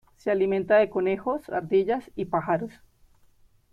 Se alimenta de conejos, ardillas y pájaros.